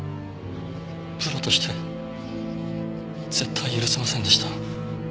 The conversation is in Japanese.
プロとして絶対許せませんでした。